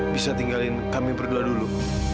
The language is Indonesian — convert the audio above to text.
bisa tinggalin kami berdua dulu